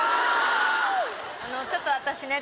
ちょっと私ね